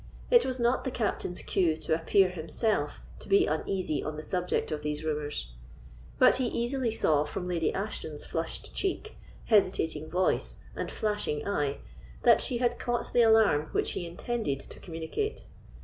It was not the Captain's cue to appear himself to be uneasy on the subject of these rumours; but he easily saw from Lady Ashton's flushed cheek, hesitating voice, and flashing eye, that she had caught the alarm which he intended to communicate.